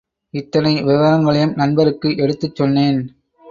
இத்தனை விவரங்களையும் நண்பருக்கு எடுத்துச் சொன்னேன்.